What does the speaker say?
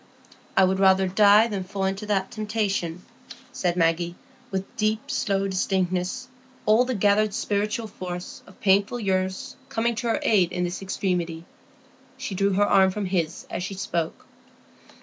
"I would rather die than fall into that temptation," said Maggie, with deep, slow distinctness, all the gathered spiritual force of painful years coming to her aid in this extremity. She drew her arm from his as she spoke.